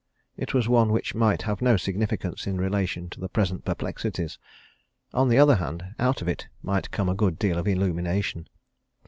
It was one which might have no significance in relation to the present perplexities on the other hand, out of it might come a good deal of illumination.